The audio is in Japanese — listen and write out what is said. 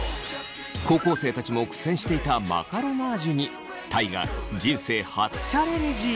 高校生たちも苦戦していたマカロナージュに大我人生初チャレンジ。